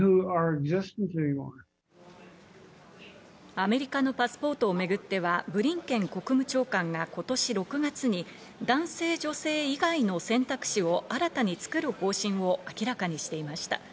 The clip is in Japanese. アメリカのパスポートをめぐってはブリンケン国務長官が今年６月に男性、女性以外の選択肢を新たにつくる方針を明らかにしていました。